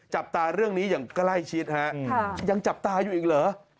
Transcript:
จับตาเรื่องนี้อย่างใกล้ชิดฮะยังจับตาอยู่อีกเหรอ